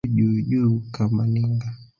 Yu juu juu kama ninga